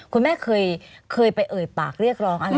คุณแม่เคยไปเอ่ยปากเรียกร้องอะไร